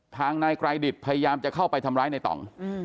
ทางนายไกรดิตพยายามจะเข้าไปทำร้ายในต่อง